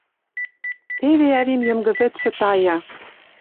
Теве ӓвим Йынгы вӹдшӹ тая...